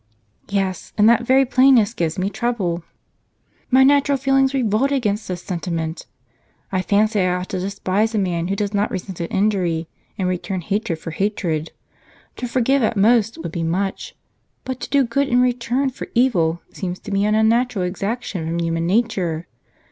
"Yes; and that very plainness gives me trouble. My natural feelings revolt against this sentiment : I fancy I ought to despise a man who does not resent an injury, and return hatred for hatred. To forgive at most would be much ; but to do good in return for evil, seems to me an unnatural exaction from human nature.